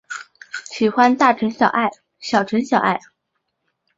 基于意大利统计局的人口普查统计。